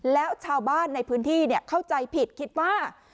แล้วชาวบ้านในพื้นที่เข้าใจผิดคิดว่า